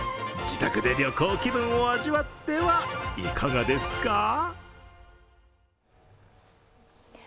自宅で旅行気分を味わってはいかがですか？